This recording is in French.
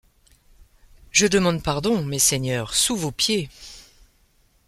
Je demande pardon, messeigneurs, sous vos pieds !